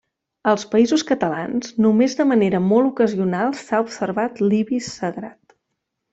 Als Països Catalans només de manera molt ocasional s'ha observat l'ibis sagrat.